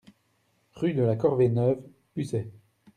Rue de la Corvée Neuve, Pusey